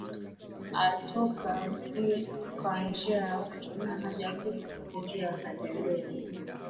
atoka mwilini kwa njia ya kutumia haja kubwa au njia ya haja ndogo